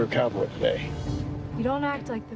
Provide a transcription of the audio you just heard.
kepala keluarga john dutton